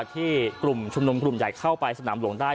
ที่กลุ่มชุมนุมกลุ่มใหญ่เข้าไปสนามหลวงได้